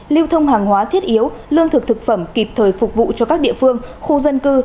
lưu thông hàng hóa thiết yếu lương thực thực phẩm kịp thời phục vụ cho các địa phương khu dân cư